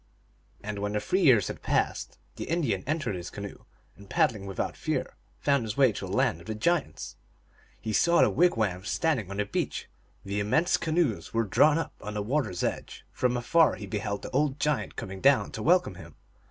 And when the three years had passed the Indian entered his canoe, and, paddling without fear, found his way to the Land of the Giants. He saw the wig wams standing on the beach ; the immense canoes were drawn up on the water s edge ; from afar he beheld the old giant coming down to welcome him.